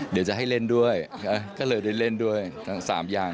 เดี๋ยวจะให้เล่นด้วยก็เลยได้เล่นด้วยทั้ง๓อย่าง